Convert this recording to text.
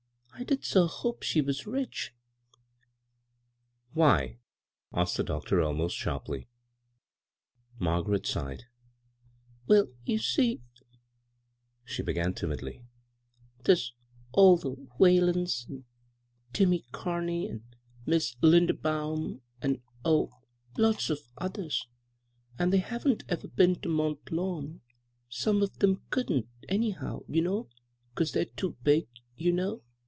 I did so ho[>e she was rich I " "Why?" asked the doctor, almost sharply. Margaret sighed. " Well, you see," she began timidly, " there's all the Whalens, and Tlmmy Car ney and Mis' Linderbaum, and — oh, lots of 198 bvGoog[c CROSS CURRENTS others, and they haven't ever heea to Mont> Lawn — some of 'em couldn't, anyhow, you know, 'cause they're too big, you know.